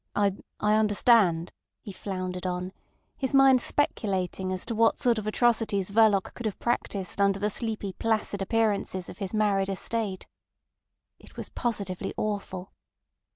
I—I understand," he floundered on, his mind speculating as to what sort of atrocities Verloc could have practised under the sleepy, placid appearances of his married estate. It was positively awful.